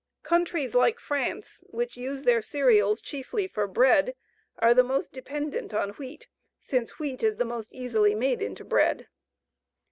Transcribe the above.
Countries like France, which use their cereals chiefly for bread, are the most dependent on wheat, since wheat is the most easily made into bread.